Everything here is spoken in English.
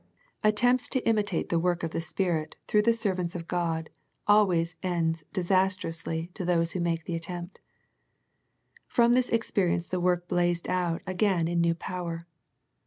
Attempts to imitate the work of the Spirit through the servants of God always ends dis astrously to those who make the attempt. From this experience the work blazed out again in new power.